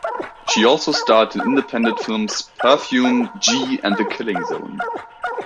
She also starred in independent films "Perfume", "G" and "The Killing Zone".